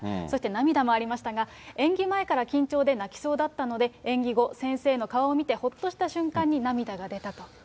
そして涙もありましたが、演技前から緊張で泣きそうだったので、演技後、先生の顔を見て、ほっとした瞬間に涙が出たと。